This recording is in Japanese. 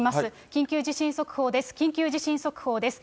緊急地震速報です。